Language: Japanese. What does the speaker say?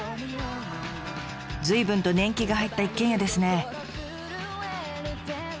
随分と年季が入った一軒家ですね。